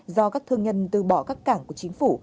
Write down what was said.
do các thương nhân từ bỏ các cảng của chính phủ